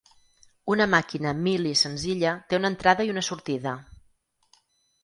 Una màquina Mealy senzilla té una entrada i una sortida.